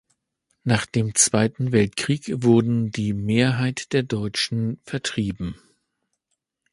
Nach dem Zweiten Weltkrieg wurden die Mehrheit der Deutschen vertrieben.